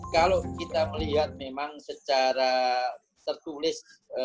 kalau kita melihat memang secara tertulis